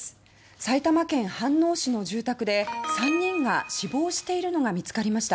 埼玉県飯能市の住宅で３人が死亡しているのが見つかりました。